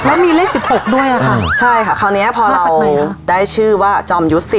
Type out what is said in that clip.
แล้วมีเลขสิบหกด้วยอะค่ะอืมใช่ค่ะคราวเนี้ยพอเราได้ชื่อว่าจอมยุทธ์สิ